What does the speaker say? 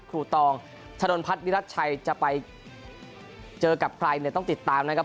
ตองชะนนพัฒนวิรัติชัยจะไปเจอกับใครเนี่ยต้องติดตามนะครับ